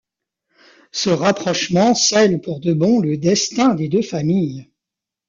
Ce rapprochement scelle pour de bon le destin des deux familles.